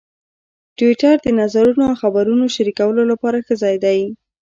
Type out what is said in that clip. ټویټر د نظرونو او خبرونو شریکولو لپاره ښه ځای دی.